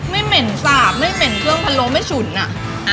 เหม็นสาบไม่เหม็นเครื่องพะโล้ไม่ฉุนอ่ะ